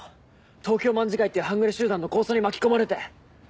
東京卍會っていう半グレ集団の抗争に巻き込まれて。